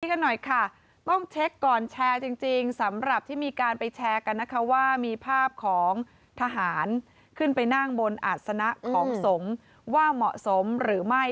กันหน่อยค่ะต้องเช็คก่อนแชร์จริงสำหรับที่มีการไปแชร์กันนะคะว่ามีภาพของทหารขึ้นไปนั่งบนอาศนะของสงฆ์ว่าเหมาะสมหรือไม่